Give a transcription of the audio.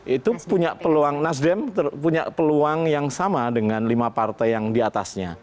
itu punya peluang nasdem punya peluang yang sama dengan lima partai yang diatasnya